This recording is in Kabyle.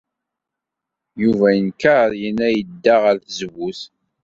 Yuba yenker yerna yedda ɣer tzewwut.